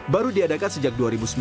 baru diadakan sejak dua ribu sembilan